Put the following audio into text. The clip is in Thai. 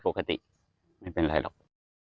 ปกติไม่เป็นไรหรอก